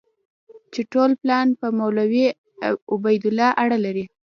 چې ټول پلان په مولوي عبیدالله اړه لري.